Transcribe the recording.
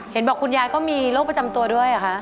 เห็นบอกคุณยายก็มีโรคประจำตัวด้วยเหรอคะ